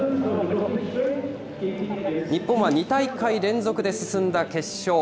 日本は２大会連続で進んだ決勝。